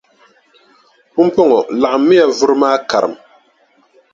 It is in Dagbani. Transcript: Pumpɔŋɔ laɣimmiya vuri maa karim.